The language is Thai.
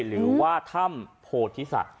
หรือว่าถ้ำโพธิศัตริย์